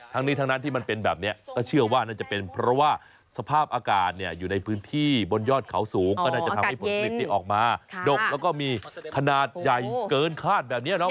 ทั้งนี้ทั้งนั้นที่มันเป็นแบบนี้ก็เชื่อว่าน่าจะเป็นเพราะว่าสภาพอากาศเนี่ยอยู่ในพื้นที่บนยอดเขาสูงก็น่าจะทำให้ผลผลิตที่ออกมาดกแล้วก็มีขนาดใหญ่เกินคาดแบบนี้เนาะ